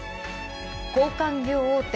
交換業大手